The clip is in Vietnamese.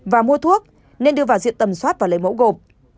và mua thuốc nên đưa vào diện tầm soát và lấy mẫu gồm